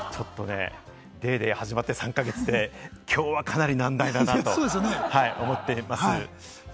『ＤａｙＤａｙ．』始まって３か月、きょうはかなり難題だなと思っています。